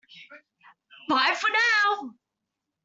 Bye for now!